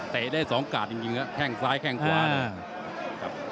เตะได้๒กัดจริงแค่งซ้ายแค่งขวา